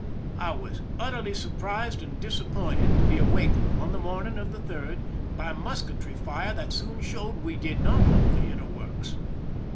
I was utterly surprised and disappointed to be awakened, on the morning of the 3d, by musketry fire that soon showed we did not hold the inner works.